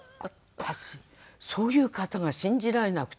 私そういう方が信じられなくて。